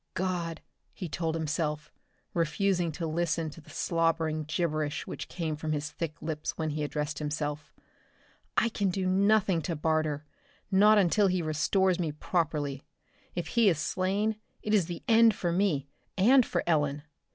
"God," he told himself, refusing to listen to the slobbering gibberish which came from his thick lips when he addressed himself, "I can do nothing to Barter not until he restores me properly. If he is slain, it is the end for me, and for Ellen!